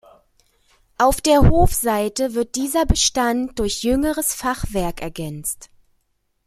Auf der Hofseite wird dieser Bestand durch jüngeres Fachwerk ergänzt.